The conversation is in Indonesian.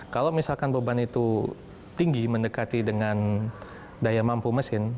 kalau misalkan beban itu tinggi mendekati dengan daya mampu mesin